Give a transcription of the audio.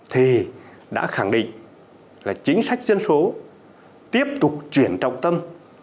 thì đã khẳng định là chính sách dân số tiếp tục chuyển trọng tâm